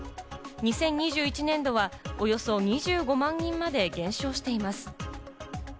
２０２１年度はおよそ２５万人まで減少しています。